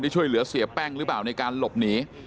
ช่วยเหลือเสียแป้งหรือเปล่าในการหลบหนี